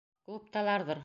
Клубталарҙыр.